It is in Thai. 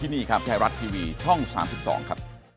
นะฮะ